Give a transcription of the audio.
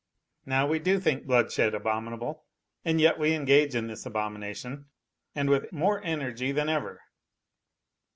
Now we do think bloodshed abominable and yet we engage in this abomination, and with more energy than ever.